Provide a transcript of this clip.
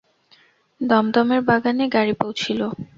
দমদমের বাগানে গাড়ি পৌঁছিল।